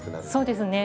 そうですね。